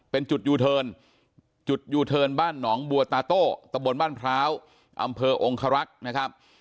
เป็นจุดยูเทิร์นจุดยูเทิร์นบ้านหนองบัวตาโต้ตะบนบ้านพร้าวอำเภอองคารักษ์นะครับ